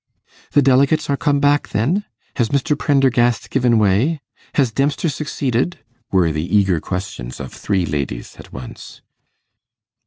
'The delegates are come back, then?' 'Has Mr. Prendergast given way?' 'Has Dempster succeeded?' were the eager questions of three ladies at once.